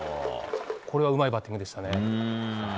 これはうまいバッティングでした。